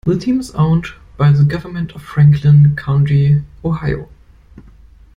The team is owned by the government of Franklin County, Ohio.